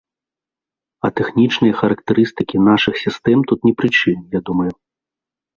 А тэхнічныя характарыстыкі нашых сістэм тут ні пры чым, я думаю.